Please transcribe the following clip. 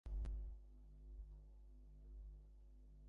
Brennan supports Cardiff City Football Club and the Cardiff Blues rugby team.